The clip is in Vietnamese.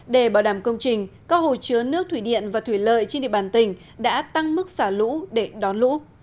để bảo đảm công trình các hồ chứa nước thủy điện và thủy lợi trên địa bàn tỉnh đã tăng mức xả lũ để đón lũ